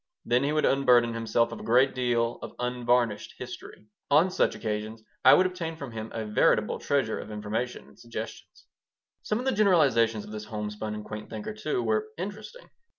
Then he would unburden himself of a great deal of unvarnished history. On such occasions I would obtain from him a veritable treasure of information and suggestions. Some of the generalizations of this homespun and quaint thinker, too, were interesting.